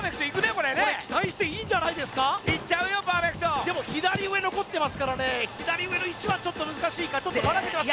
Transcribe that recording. これねこれ期待していいんじゃないですかでも左上残ってますからね左上の１はちょっと難しいかちょっとバラけてます